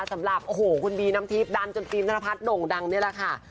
สำหรับโอ้โหคุณบีน้ำทิพย์ดันจนฟิล์มธนพัฒน์โด่งดังนี่แหละค่ะ